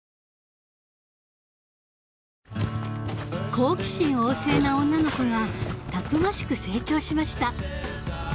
好奇心旺盛な女の子がたくましく成長しました。